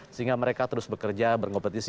sehingga mereka terus bekerja berkompetisi